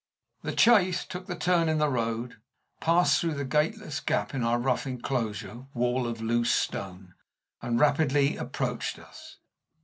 The chaise took the turn in the road, passed through the gateless gap in our rough inclosure wall of loose stone, and rapidly approached us.